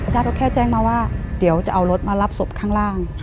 ญาติก็แค่แจ้งมาว่าเดี๋ยวจะเอารถมารับศพข้างล่าง